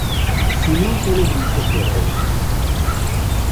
Sin un solo grito fuera de tono.